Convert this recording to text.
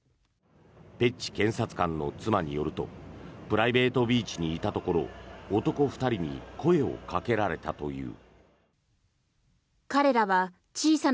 ペッチ検察官の妻によるとプライベートビーチにいたところ男２人に声をかけられたという。